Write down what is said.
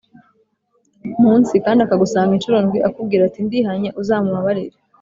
Munsi kandi akagusanga incuro ndwi akubwira ati ndihannye uzamubabarire